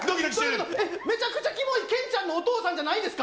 めちゃくちゃきもい、けんちゃんのお父さんじゃないんですか？